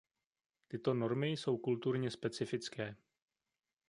Tyto normy jsou kulturně specifické.